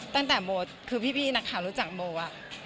ตั้งแต่โมคือพี่นักข่าวรู้จักโมอะ